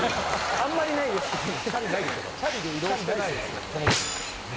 あんまりないですけどね。